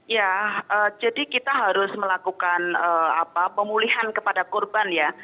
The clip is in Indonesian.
ya jadi kita harus melakukan pemulihan kepada korban ya